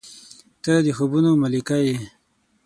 • ته د خوبونو ملکې یې.